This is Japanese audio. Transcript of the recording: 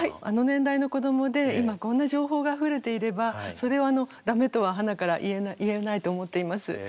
あの年代の子どもで今こんな情報があふれていればそれをダメとははなから言えないと思っています。